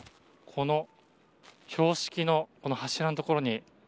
この標識の柱のところに。